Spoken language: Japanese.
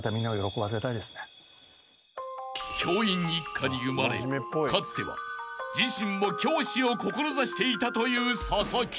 ［教員一家に生まれかつては自身も教師を志していたというササキ］